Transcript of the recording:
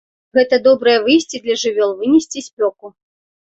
Гэта добрае выйсце для жывёл вынесці спёку.